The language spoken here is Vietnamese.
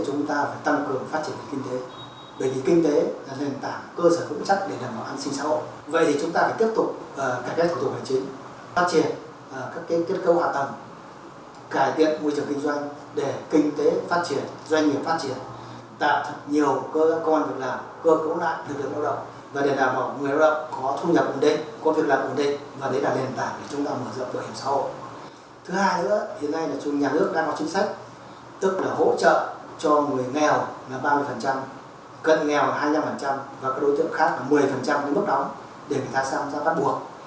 cân nghèo là hai mươi năm và các đối tượng khác là một mươi mức đó để người ta xâm xác bắt buộc